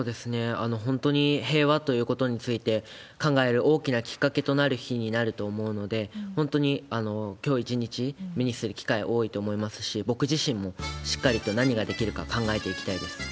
本当に平和ということについて考える大きなきっかけとなる日になると思うんで、本当にきょう一日、目にする機会多いと思いますし、僕自身もしっかりと何ができるか考えていきたいです。